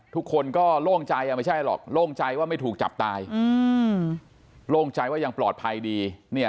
ทุกคนก็โล่งใจไม่ใช่หรอกโล่งใจว่าไม่ถูกจับตายโล่งใจว่ายังปลอดภัยดี